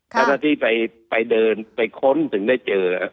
เจ้าหน้าที่ไปเดินไปค้นถึงได้เจอ